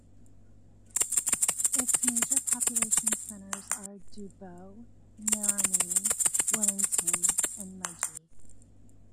Its major population centres are Dubbo, Narromine, Wellington and Mudgee.